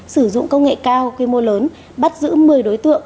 sử dụng công nghệ cao quy mô lớn bắt giữ một mươi đối tượng